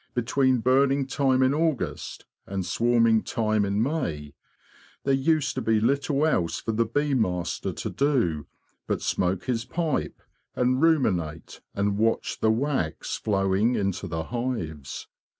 Between burning time in August and swarming time in May there used to be little else for the bee master to do but smoke his pipe and ruminate and watch the wax flowing into the hives.